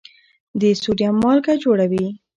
د سوډیم مالګه جوړوي.